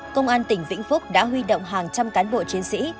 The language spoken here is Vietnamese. công an tỉnh vĩnh phúc đã huy động hàng trăm cán bộ chiến sĩ